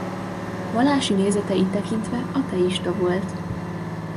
Vallási nézeteit tekintve ateista volt.